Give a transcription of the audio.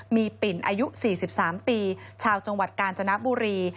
มีปิ่นอายุ๔๓ปีชาวจังหวัดกาญจนบุรี